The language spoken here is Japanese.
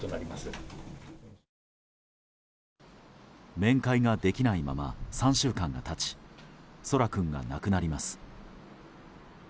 面会ができないまま３週間が経ち空来君が亡くなります。